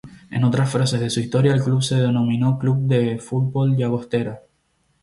En otras fases de su historia el club se denominó "Club de Fútbol Llagostera".